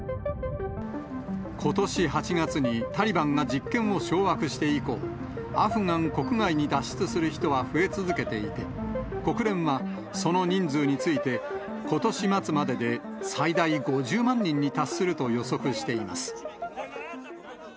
ことし８月にタリバンが実権を掌握して以降、アフガン国外に脱出する人は増え続けていて、国連はその人数について、ことし末までで最大５０万に達すると予測しています。